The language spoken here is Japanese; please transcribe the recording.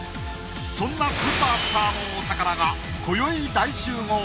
そんなスーパースターのお宝が今宵大集合